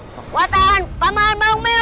kekuatan paman wamiu